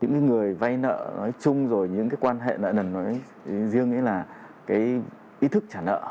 những người vay nợ nói chung rồi những quan hệ nợ nói riêng nghĩa là ý thức trả nợ